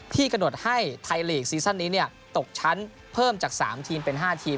ที่กระหนดให้ไทยลีกซีซั่นนี้เนี่ยตกชั้นเพิ่มจากสามทีมเป็นห้าทีม